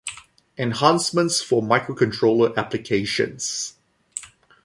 Enhancements for microcontroller applications.